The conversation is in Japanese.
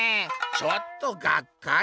ちょっとがっかり」。